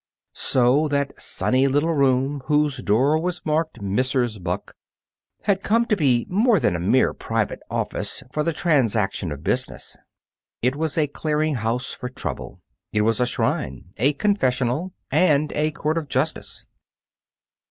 So that sunny little room whose door was marked "MRS. BUCK" had come to be more than a mere private office for the transaction of business. It was a clearing house for trouble; it was a shrine, a confessional, and a court of justice.